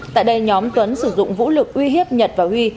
tại đây nhóm tuấn sử dụng vũ lực uy hiếp nhật và huy